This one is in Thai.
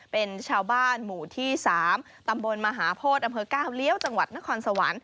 เป็นชาวบ้านหมู่ที่๓ตำบลมหาโพธิอำเภอก้าวเลี้ยวจังหวัดนครสวรรค์